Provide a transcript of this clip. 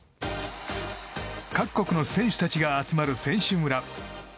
各国の選手たちが集まる選手村。